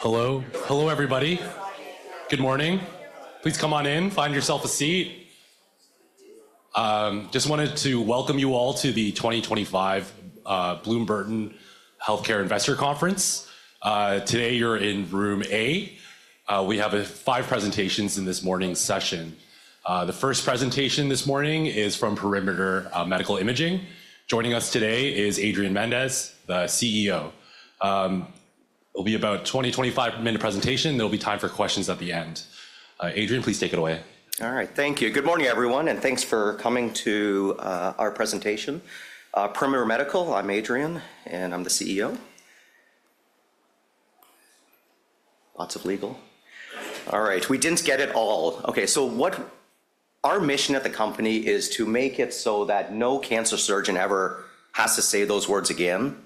Hello. Hello, everybody. Good morning. Please come on in, find yourself a seat. Just wanted to welcome you all to the 2025 Bloomberg Healthcare Investor Conference. Today you're in Room A. We have five presentations in this morning's session. The first presentation this morning is from Perimeter Medical Imaging. Joining us today is Adrian Mendes, the CEO. It'll be about a 20-25 minute presentation. There'll be time for questions at the end. Adrian, please take it away. All right. Thank you. Good morning, everyone, and thanks for coming to our presentation. Perimeter Medical, I'm Adrian, and I'm the CEO. Lots of legal. All right. We didn't get it all. Okay. Our mission at the company is to make it so that no cancer surgeon ever has to say those words again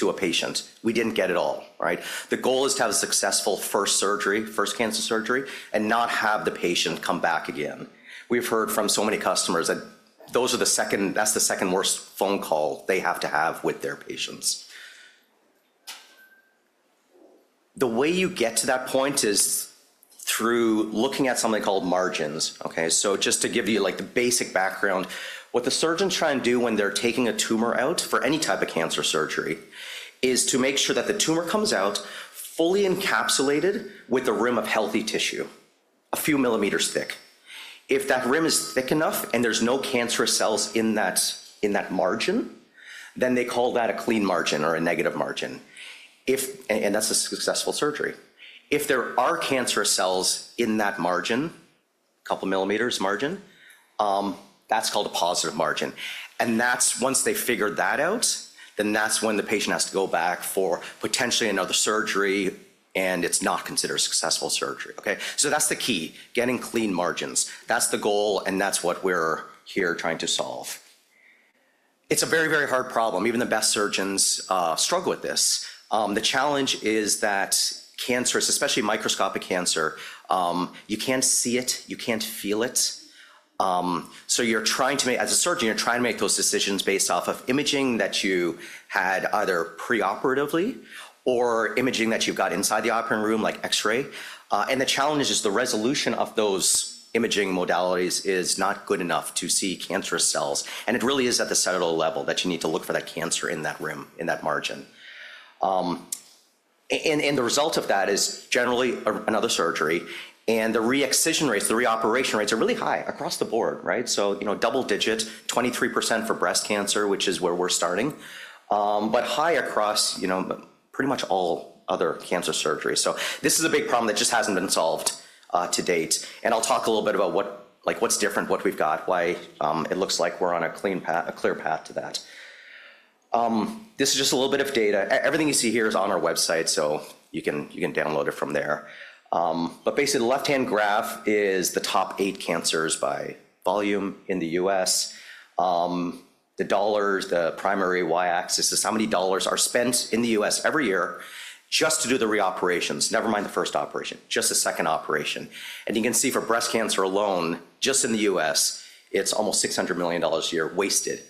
to a patient. We didn't get it all. Right? The goal is to have a successful first surgery, first cancer surgery, and not have the patient come back again. We've heard from so many customers that that's the second worst phone call they have to have with their patients. The way you get to that point is through looking at something called margins. Okay. Just to give you the basic background, what the surgeons try and do when they're taking a tumor out for any type of cancer surgery is to make sure that the tumor comes out fully encapsulated with a rim of healthy tissue, a few millimeters thick. If that rim is thick enough and there's no cancerous cells in that margin, then they call that a clean margin or a negative margin. That's a successful surgery. If there are cancerous cells in that margin, a couple of millimeters margin, that's called a positive margin. Once they've figured that out, that's when the patient has to go back for potentially another surgery, and it's not considered a successful surgery. Okay. That's the key: getting clean margins. That's the goal, and that's what we're here trying to solve. It's a very, very hard problem. Even the best surgeons struggle with this. The challenge is that cancerous, especially microscopic cancer, you can't see it, you can't feel it. As a surgeon, you're trying to make those decisions based off of imaging that you had either preoperatively or imaging that you've got inside the operating room, like X-ray. The challenge is the resolution of those imaging modalities is not good enough to see cancerous cells. It really is at the cellular level that you need to look for that cancer in that rim, in that margin. The result of that is generally another surgery. The re-excision rates, the re-operation rates are really high across the board. Right? Double digit, 23% for breast cancer, which is where we're starting, but high across pretty much all other cancer surgeries. This is a big problem that just hasn't been solved to date. I'll talk a little bit about what's different, what we've got, why it looks like we're on a clear path to that. This is just a little bit of data. Everything you see here is on our website, so you can download it from there. Basically, the left-hand graph is the top eight cancers by volume in the U.S. The dollars, the primary Y-axis, is how many dollars are spent in the U.S. every year just to do the re-operations, never mind the first operation, just the second operation. You can see for breast cancer alone, just in the U.S., it's almost $600 million a year wasted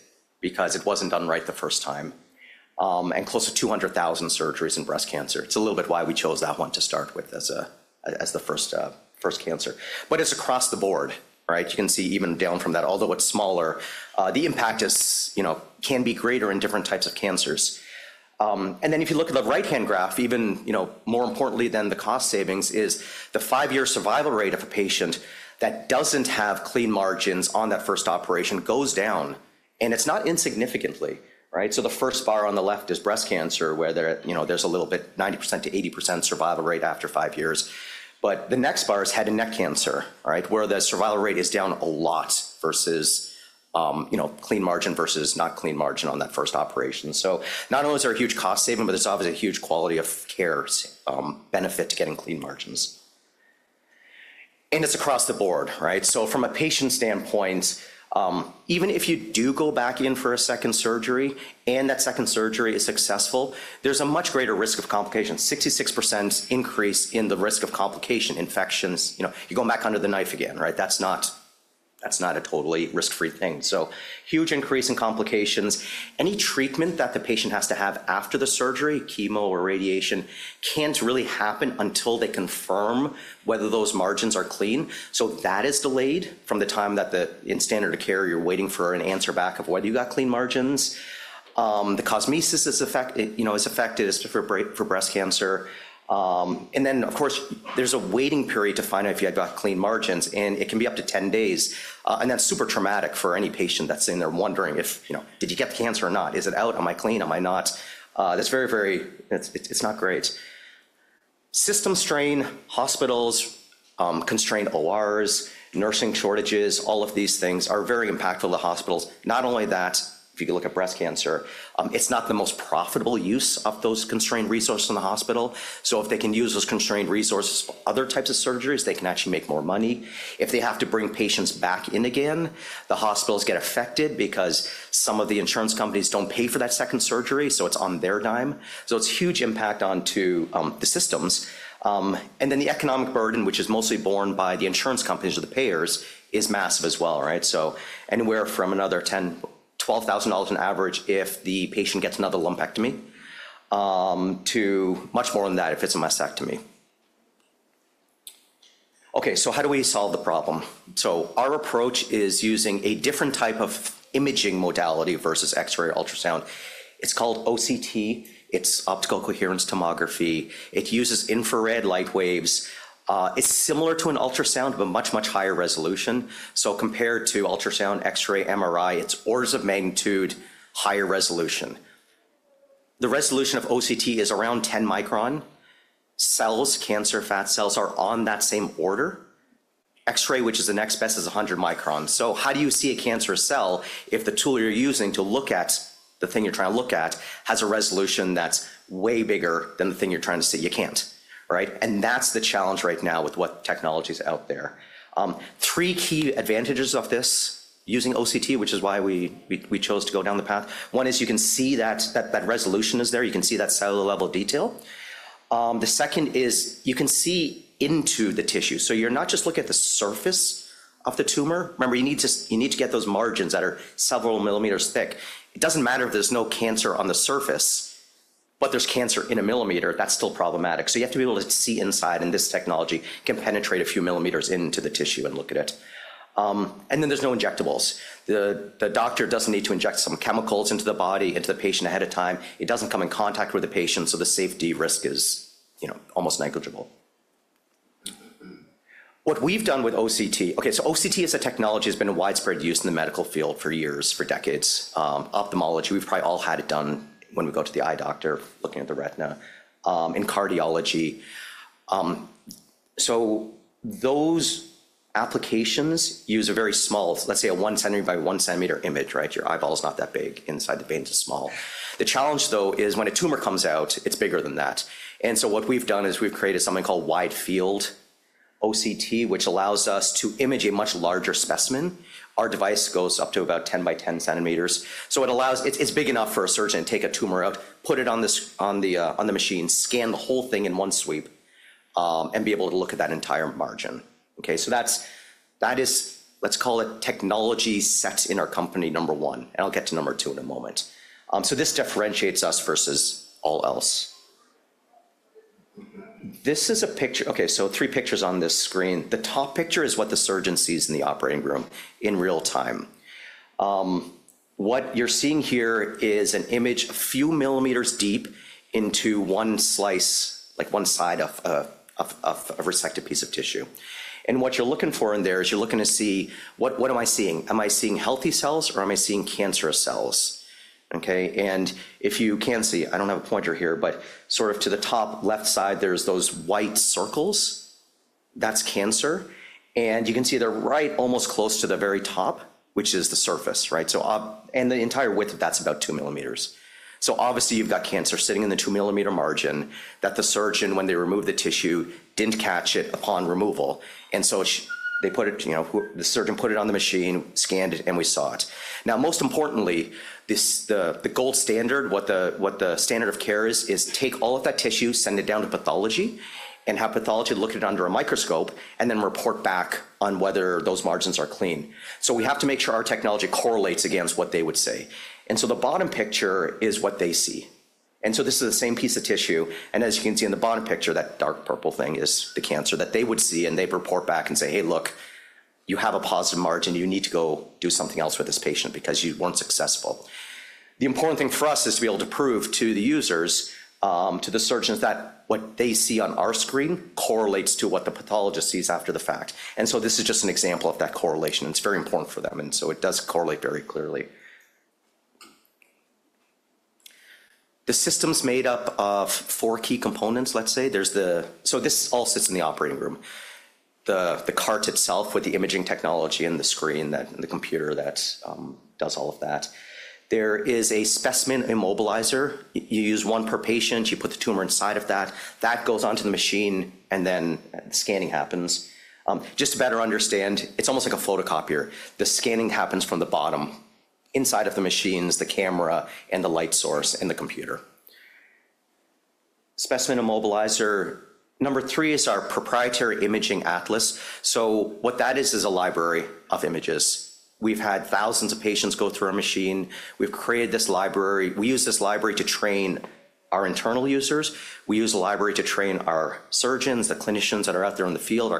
because it was not done right the first time. Close to 200,000 surgeries in breast cancer. It's a little bit why we chose that one to start with as the first cancer. It's across the board. Right? You can see even down from that, although it's smaller, the impact can be greater in different types of cancers. If you look at the right-hand graph, even more importantly than the cost savings, the five-year survival rate of a patient that doesn't have clean margins on that first operation goes down, and it's not insignificantly. Right? The first bar on the left is breast cancer, where there's a little bit 90% to 80% survival rate after five years. The next bar is head and neck cancer, where the survival rate is down a lot versus clean margin versus not clean margin on that first operation. Not only is there a huge cost saving, but it's obviously a huge quality of care benefit to getting clean margins. It's across the board. Right? From a patient standpoint, even if you do go back in for a second surgery and that second surgery is successful, there's a much greater risk of complications, 66% increase in the risk of complication, infections. You're going back under the knife again. Right? That's not a totally risk-free thing. Huge increase in complications. Any treatment that the patient has to have after the surgery, chemo or radiation, can't really happen until they confirm whether those margins are clean. That is delayed from the time that in standard of care, you're waiting for an answer back of whether you got clean margins. The cosmesis is affected for breast cancer. Of course, there's a waiting period to find out if you got clean margins, and it can be up to 10 days. That's super traumatic for any patient that's in there wondering if, did you get the cancer or not? Is it out? Am I clean? Am I not? It's not great. System strain, hospitals, constrained ORs, nursing shortages, all of these things are very impactful to hospitals. Not only that, if you look at breast cancer, it's not the most profitable use of those constrained resources in the hospital. If they can use those constrained resources for other types of surgeries, they can actually make more money. If they have to bring patients back in again, the hospitals get affected because some of the insurance companies don't pay for that second surgery, so it's on their dime. It's a huge impact onto the systems. The economic burden, which is mostly borne by the insurance companies or the payers, is massive as well. Right? Anywhere from another $12,000 on average if the patient gets another lumpectomy to much more than that if it's a mastectomy. Okay. How do we solve the problem? Our approach is using a different type of imaging modality versus X-ray or ultrasound. It's called OCT. It's optical coherence tomography. It uses infrared light waves. It's similar to an ultrasound, but much, much higher resolution. Compared to ultrasound, X-ray, MRI, it's orders of magnitude higher resolution. The resolution of OCT is around 10 micron. Cells, cancer fat cells, are on that same order. X-ray, which is the next best, is 100 micron. How do you see a cancer cell if the tool you're using to look at the thing you're trying to look at has a resolution that's way bigger than the thing you're trying to see? You can't. Right? That's the challenge right now with what technology is out there. Three key advantages of this using OCT, which is why we chose to go down the path. One is you can see that resolution is there. You can see that cellular level detail. The second is you can see into the tissue. You're not just looking at the surface of the tumor. Remember, you need to get those margins that are several millimeters thick. It doesn't matter if there's no cancer on the surface, but there's cancer in a millimeter. That's still problematic. You have to be able to see inside, and this technology can penetrate a few millimeters into the tissue and look at it. There's no injectables. The doctor doesn't need to inject some chemicals into the body, into the patient ahead of time. It doesn't come in contact with the patient, so the safety risk is almost negligible. What we've done with OCT, okay, so OCT as a technology has been widespread use in the medical field for years, for decades. Ophthalmology, we've probably all had it done when we go to the eye doctor looking at the retina in cardiology. Those applications use a very small, let's say, a 1 centimeter by 1 centimeter image. Right? Your eyeball is not that big. Inside the vein is small. The challenge, though, is when a tumor comes out, it's bigger than that. What we've done is we've created something called wide field OCT, which allows us to image a much larger specimen. Our device goes up to about 10 by 10 centimeters. It's big enough for a surgeon to take a tumor out, put it on the machine, scan the whole thing in one sweep, and be able to look at that entire margin. Okay. That is, let's call it technology set in our company number one. I'll get to number two in a moment. This differentiates us versus all else. This is a picture. Okay. Three pictures on this screen. The top picture is what the surgeon sees in the operating room in real time. What you're seeing here is an image a few millimeters deep into one slice, like one side of a resected piece of tissue. What you're looking for in there is you're looking to see what am I seeing? Am I seeing healthy cells or am I seeing cancerous cells? Okay. If you can see, I don't have a pointer here, but sort of to the top left side, there's those white circles. That's cancer. You can see the right almost close to the very top, which is the surface. Right? The entire width of that's about 2 millimeters. Obviously, you've got cancer sitting in the 2-millimeter margin that the surgeon, when they remove the tissue, didn't catch it upon removal. They put it, the surgeon put it on the machine, scanned it, and we saw it. Most importantly, the gold standard, what the standard of care is, is take all of that tissue, send it down to pathology, and have pathology look at it under a microscope and then report back on whether those margins are clean. We have to make sure our technology correlates against what they would say. The bottom picture is what they see. This is the same piece of tissue. As you can see in the bottom picture, that dark purple thing is the cancer that they would see, and they'd report back and say, "Hey, look, you have a positive margin. You need to go do something else with this patient because you weren't successful." The important thing for us is to be able to prove to the users, to the surgeons, that what they see on our screen correlates to what the pathologist sees after the fact. This is just an example of that correlation. It's very important for them. It does correlate very clearly. The system's made up of four key components, let's say. This all sits in the operating room, the cart itself with the imaging technology and the screen, the computer that does all of that. There is a specimen immobilizer. You use one per patient. You put the tumor inside of that. That goes onto the machine, and then scanning happens. Just to better understand, it's almost like a photocopier. The scanning happens from the bottom, inside of the machines, the camera, and the light source and the computer. Specimen immobilizer. Number three is our proprietary imaging atlas. What that is, is a library of images. We've had thousands of patients go through our machine. We've created this library. We use this library to train our internal users. We use a library to train our surgeons, the clinicians that are out there in the field,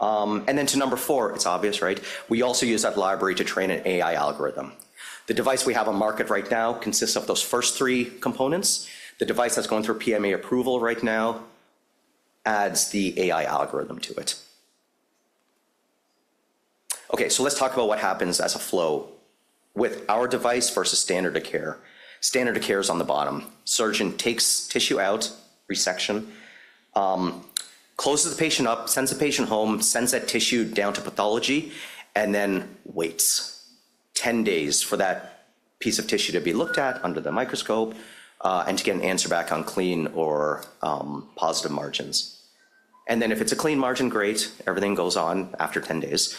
our customers. To number four, it's obvious, right? We also use that library to train an AI algorithm. The device we have on market right now consists of those first three components. The device that's going through PMA approval right now adds the AI algorithm to it. Okay. Let's talk about what happens as a flow with our device versus standard of care. Standard of care is on the bottom. Surgeon takes tissue out, resection, closes the patient up, sends the patient home, sends that tissue down to pathology, and then waits 10 days for that piece of tissue to be looked at under the microscope and to get an answer back on clean or positive margins. If it's a clean margin, great. Everything goes on after 10 days.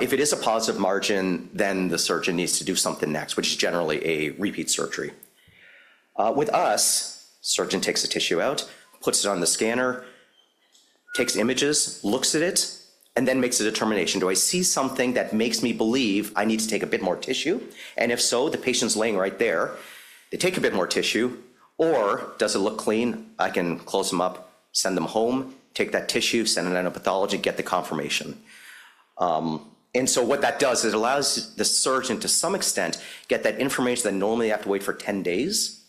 If it is a positive margin, the surgeon needs to do something next, which is generally a repeat surgery. With us, surgeon takes the tissue out, puts it on the scanner, takes images, looks at it, and then makes a determination. Do I see something that makes me believe I need to take a bit more tissue? If so, the patient's laying right there. They take a bit more tissue. Does it look clean? I can close them up, send them home, take that tissue, send it into pathology, get the confirmation. What that does is it allows the surgeon, to some extent, get that information that normally they have to wait for 10 days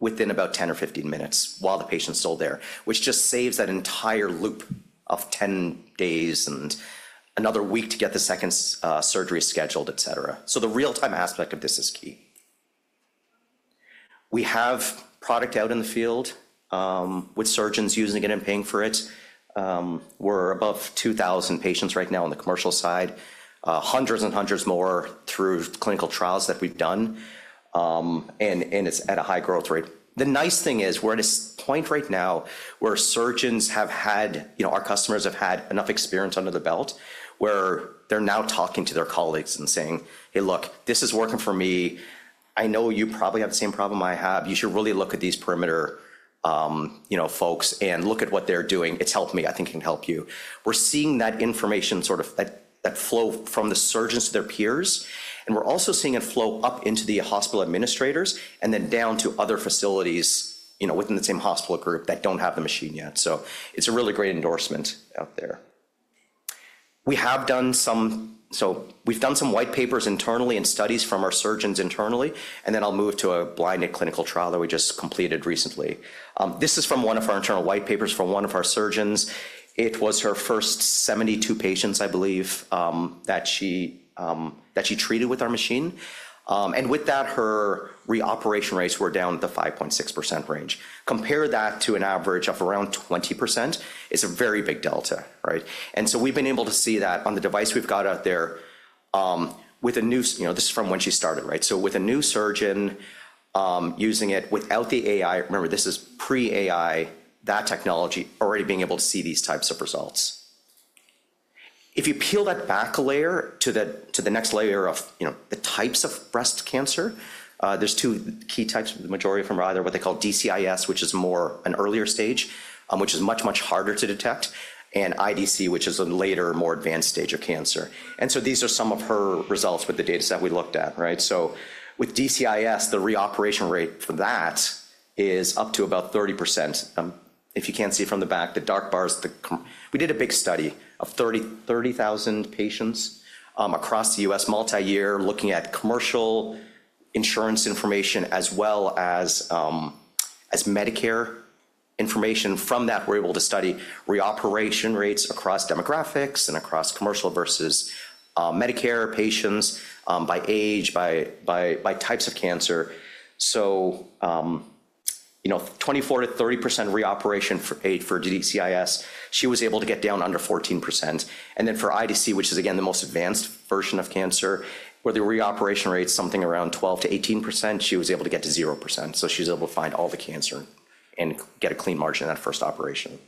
within about 10 or 15 minutes while the patient's still there, which just saves that entire loop of 10 days and another week to get the second surgery scheduled, etc. The real-time aspect of this is key. We have product out in the field with surgeons using it and paying for it. We're above 2,000 patients right now on the commercial side, hundreds and hundreds more through clinical trials that we've done. It's at a high growth rate. The nice thing is we're at a point right now where surgeons have had, our customers have had enough experience under the belt where they're now talking to their colleagues and saying, "Hey, look, this is working for me. I know you probably have the same problem I have. You should really look at these Perimeter folks and look at what they're doing. It's helped me. I think it can help you." We're seeing that information sort of that flow from the surgeons to their peers. We're also seeing it flow up into the hospital administrators and then down to other facilities within the same hospital group that do not have the machine yet. It is a really great endorsement out there. We have done some, we have done some white papers internally and studies from our surgeons internally. I will move to a blinded clinical trial that we just completed recently. This is from one of our internal white papers from one of our surgeons. It was her first 72 patients, I believe, that she treated with our machine. With that, her re-operation rates were down to the 5.6% range. Compare that to an average of around 20% is a very big delta. Right? We have been able to see that on the device we have out there with a new, this is from when she started. Right? With a new surgeon using it without the AI, remember, this is pre-AI, that technology already being able to see these types of results. If you peel that back layer to the next layer of the types of breast cancer, there are two key types of the majority from rather what they call DCIS, which is more an earlier stage, which is much, much harder to detect, and IDC, which is a later, more advanced stage of cancer. These are some of her results with the data set we looked at. Right? With DCIS, the re-operation rate for that is up to about 30%. If you cannot see it from the back, the dark bars, we did a big study of 30,000 patients across the U.S. multi-year looking at commercial insurance information as well as Medicare information. From that, we're able to study re-operation rates across demographics and across commercial versus Medicare patients by age, by types of cancer. So 24%-30% re-operation rate for DCIS, she was able to get down under 14%. And then for IDC, which is again the most advanced version of cancer, where the re-operation rate is something around 12%-18%, she was able to get to 0%. So she was able to find all the cancer and get a clean margin in that first operation.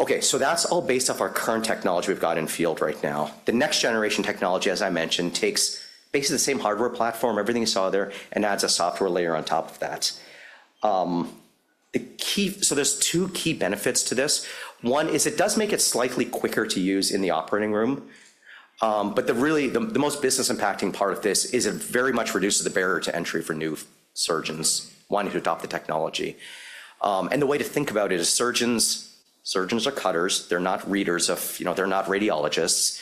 Okay. So that's all based off our current technology we've got in field right now. The next generation technology, as I mentioned, takes basically the same hardware platform, everything you saw there, and adds a software layer on top of that. So there's two key benefits to this. One is it does make it slightly quicker to use in the operating room. Really, the most business-impacting part of this is it very much reduces the barrier to entry for new surgeons wanting to adopt the technology. The way to think about it is surgeons are cutters. They're not readers of, they're not radiologists.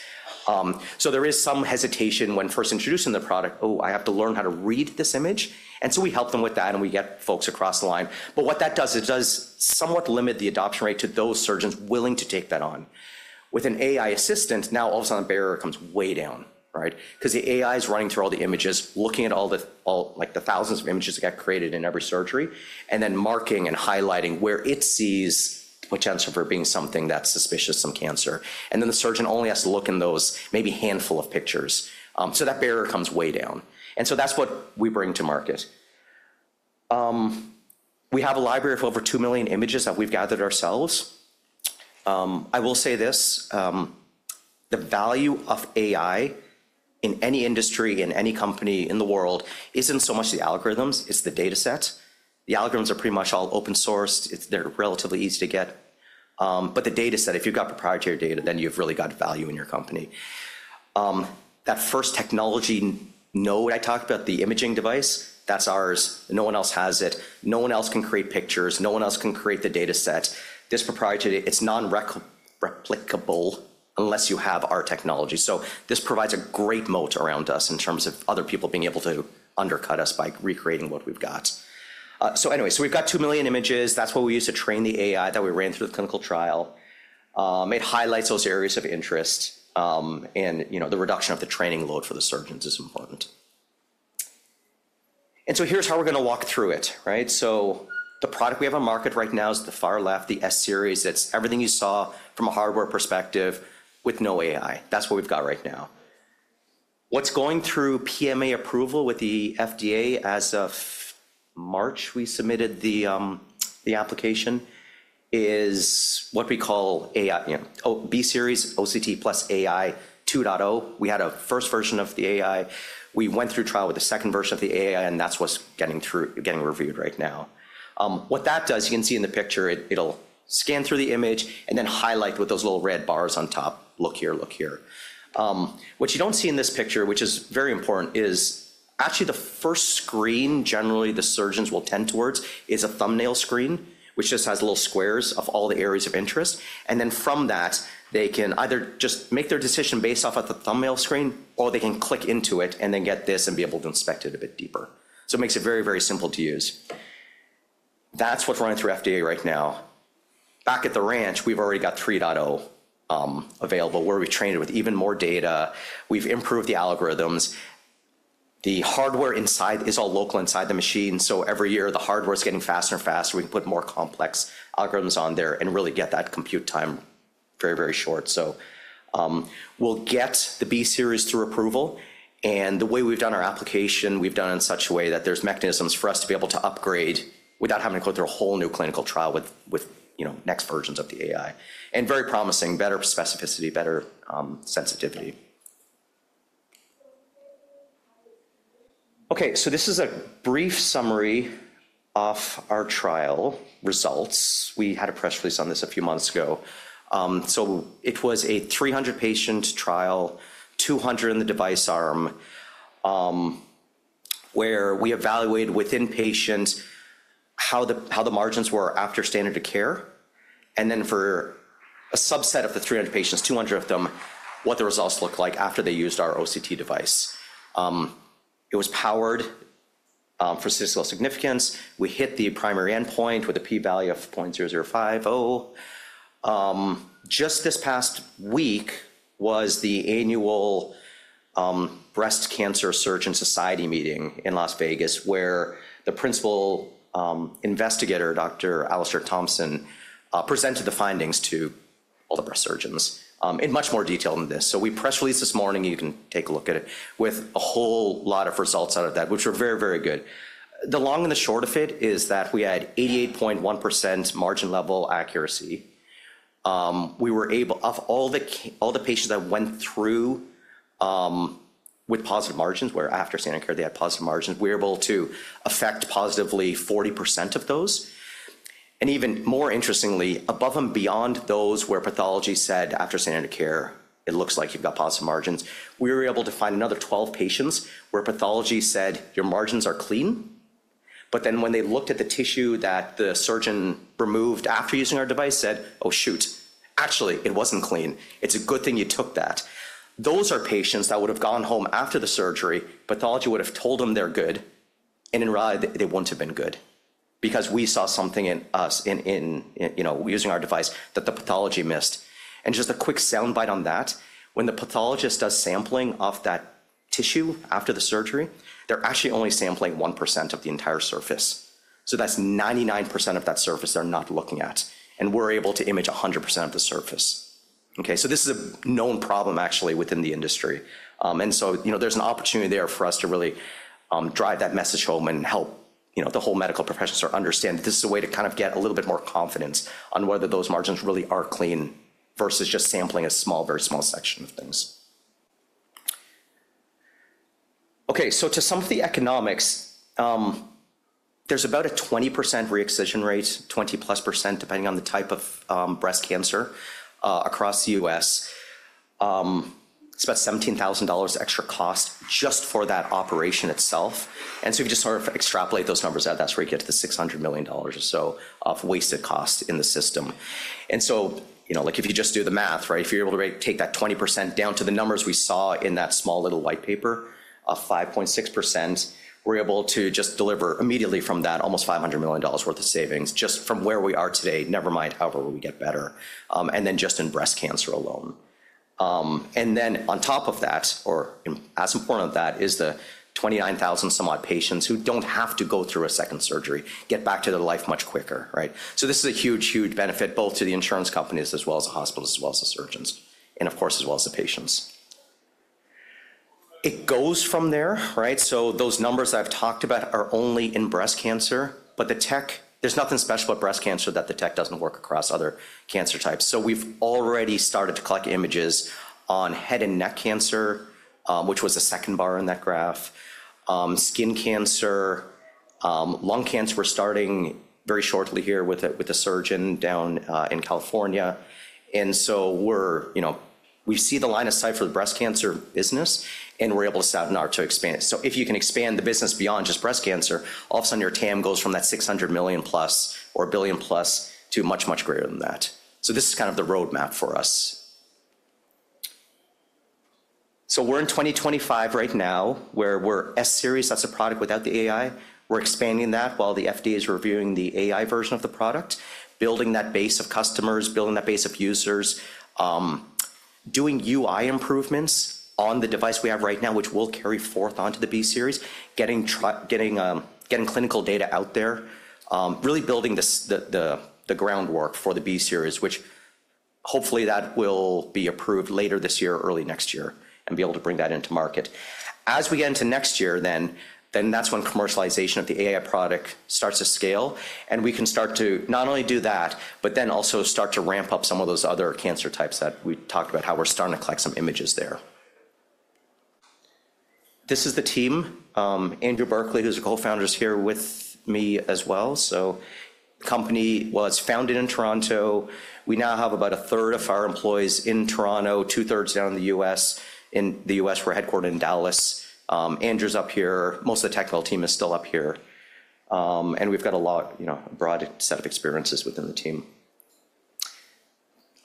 There is some hesitation when first introducing the product, "Oh, I have to learn how to read this image." We help them with that, and we get folks across the line. What that does, it does somewhat limit the adoption rate to those surgeons willing to take that on. With an AI assistant, now all of a sudden, the barrier comes way down, right? Because the AI is running through all the images, looking at all the thousands of images that get created in every surgery, and then marking and highlighting where it sees potential for being something that's suspicious, some cancer. The surgeon only has to look in those maybe handful of pictures. That barrier comes way down. That is what we bring to market. We have a library of over 2 million images that we have gathered ourselves. I will say this. The value of AI in any industry, in any company in the world, is not so much the algorithms. It is the data set. The algorithms are pretty much all open source. They are relatively easy to get. The data set, if you have proprietary data, then you really have value in your company. That first technology node I talked about, the imaging device, that is ours. No one else has it. No one else can create pictures. No one else can create the data set. This is proprietary, it is non-replicable unless you have our technology. This provides a great moat around us in terms of other people being able to undercut us by recreating what we've got. Anyway, we've got 2 million images. That's what we use to train the AI that we ran through the clinical trial. It highlights those areas of interest. The reduction of the training load for the surgeons is important. Here's how we're going to walk through it. Right? The product we have on market right now is the far left, the S-Series. That's everything you saw from a hardware perspective with no AI. That's what we've got right now. What's going through PMA approval with the FDA as of March, we submitted the application, is what we call B-Series, OCT plus AI 2.0. We had a first version of the AI. We went through trial with the second version of the AI, and that's what's getting reviewed right now. What that does, you can see in the picture, it'll scan through the image and then highlight with those little red bars on top, "Look here, look here." What you don't see in this picture, which is very important, is actually the first screen generally the surgeons will tend towards is a thumbnail screen, which just has little squares of all the areas of interest. From that, they can either just make their decision based off of the thumbnail screen, or they can click into it and then get this and be able to inspect it a bit deeper. It makes it very, very simple to use. That's what's running through FDA right now. Back at the ranch, we've already got 3.0 available where we've trained it with even more data. We've improved the algorithms. The hardware inside is all local inside the machine. Every year, the hardware is getting faster and faster. We can put more complex algorithms on there and really get that compute time very, very short. We'll get the B-Series through approval. The way we've done our application, we've done it in such a way that there's mechanisms for us to be able to upgrade without having to go through a whole new clinical trial with next versions of the AI. Very promising, better specificity, better sensitivity. Okay. This is a brief summary of our trial results. We had a press release on this a few months ago. It was a 300-patient trial, 200 in the device arm, where we evaluated within patients how the margins were after standard of care. Then for a subset of the 300 patients, 200 of them, what the results looked like after they used our OCT device. It was powered for statistical significance. We hit the primary endpoint with a p-value of 0.0050. Just this past week was the annual Breast Cancer Surgeon Society meeting in Las Vegas, where the principal investigator, Dr. Alastair Thompson, presented the findings to all the breast surgeons in much more detail than this. We press released this morning. You can take a look at it with a whole lot of results out of that, which were very, very good. The long and the short of it is that we had 88.1% margin level accuracy. We were able, of all the patients that went through with positive margins, where after standard of care, they had positive margins, we were able to affect positively 40% of those. Even more interestingly, above and beyond those where pathology said after standard of care, it looks like you've got positive margins, we were able to find another 12 patients where pathology said, "Your margins are clean." Then when they looked at the tissue that the surgeon removed after using our device, said, "Oh, shoot. Actually, it wasn't clean. It's a good thing you took that." Those are patients that would have gone home after the surgery. Pathology would have told them they're good. In reality, they wouldn't have been good because we saw something in us in using our device that the pathology missed. Just a quick soundbite on that. When the pathologist does sampling of that tissue after the surgery, they're actually only sampling 1% of the entire surface. That means 99% of that surface they're not looking at. We're able to image 100% of the surface. This is a known problem actually within the industry. There is an opportunity there for us to really drive that message home and help the whole medical profession sort of understand that this is a way to get a little bit more confidence on whether those margins really are clean versus just sampling a small, very small section of things. To some of the economics, there's about a 20% re-excision rate, 20%+ depending on the type of breast cancer across the U.S. It's about $17,000 extra cost just for that operation itself. If you just sort of extrapolate those numbers out, that's where you get to the $600 million or so of wasted cost in the system. If you just do the math, right, if you're able to take that 20% down to the numbers we saw in that small little white paper of 5.6%, we're able to just deliver immediately from that almost $500 million worth of savings just from where we are today, never mind however we get better, and then just in breast cancer alone. On top of that, or as important of that, is the 29,000-some-odd patients who don't have to go through a second surgery, get back to their life much quicker. Right? This is a huge, huge benefit both to the insurance companies as well as the hospitals as well as the surgeons, and of course, as well as the patients. It goes from there. Right? Those numbers I've talked about are only in breast cancer. The tech, there's nothing special about breast cancer that the tech doesn't work across other cancer types. We've already started to collect images on head and neck cancer, which was the second bar in that graph, skin cancer, lung cancer. We're starting very shortly here with a surgeon down in California. We see the line of sight for the breast cancer business, and we're able to sat in our to expand it. If you can expand the business beyond just breast cancer, all of a sudden, your TAM goes from that $600 million+ or a billion plus to much, much greater than that. This is kind of the roadmap for us. We are in 2025 right now where we are S-Series. That is a product without the AI. We are expanding that while the FDA is reviewing the AI version of the product, building that base of customers, building that base of users, doing UI improvements on the device we have right now, which we will carry forth onto the B-Series, getting clinical data out there, really building the groundwork for the B-Series, which hopefully will be approved later this year, early next year, and be able to bring that into market. As we get into next year, that is when commercialization of the AI product starts to scale. We can start to not only do that, but also start to ramp up some of those other cancer types that we talked about, how we're starting to collect some images there. This is the team. Andrew Berkeley, who's a co-founder, is here with me as well. The company was founded in Toronto. We now have about a third of our employees in Toronto, two-thirds down in the U.S. In the U.S., we're headquartered in Dallas. Andrew's up here. Most of the technical team is still up here. We have a broad set of experiences within the team.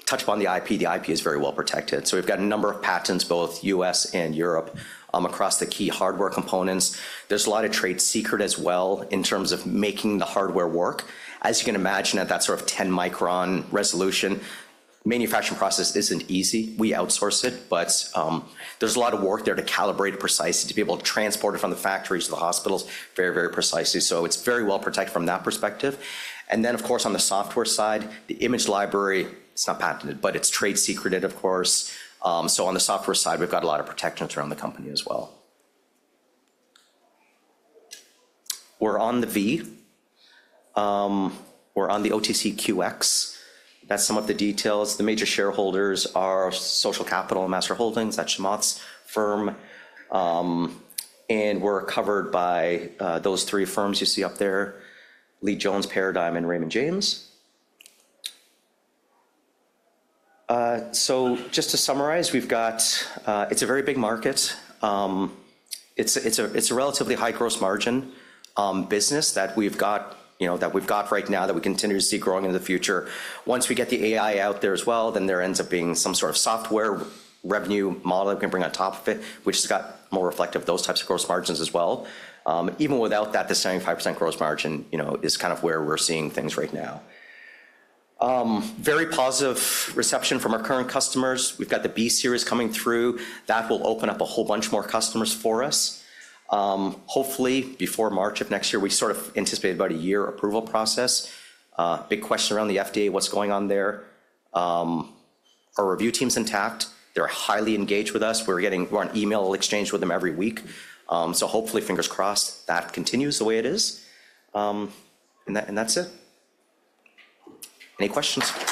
Touched upon the IP. The IP is very well protected. We have a number of patents, both U.S. and Europe, across the key hardware components. There is a lot of trade secret as well in terms of making the hardware work. As you can imagine, at that sort of 10-micron resolution, manufacturing process isn't easy. We outsource it. There is a lot of work there to calibrate it precisely, to be able to transport it from the factories to the hospitals very, very precisely. It is very well protected from that perspective. On the software side, the image library, it's not patented, but it's trade secreted, of course. On the software side, we've got a lot of protections around the company as well. We're on the V. We're on the OTCQX. That's some of the details. The major shareholders are Social Capital and Master Holdings. That's Chamath's firm. We're covered by those three firms you see up there, Leede Financial, Paradigm, and Raymond James. Just to summarize, we've got it's a very big market. It's a relatively high gross margin business that we've got right now that we continue to see growing in the future. Once we get the AI out there as well, then there ends up being some sort of software revenue model that we can bring on top of it, which has got more reflective of those types of gross margins as well. Even without that, the 75% gross margin is kind of where we're seeing things right now. Very positive reception from our current customers. We've got the B-Series coming through. That will open up a whole bunch more customers for us. Hopefully, before March of next year, we sort of anticipate about a year approval process. Big question around the FDA, what's going on there. Our review team's intact. They're highly engaged with us. We're on email exchange with them every week. Hopefully, fingers crossed, that continues the way it is. That's it. Any questions?